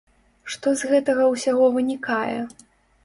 Што з гэтага ўсяго вынікае?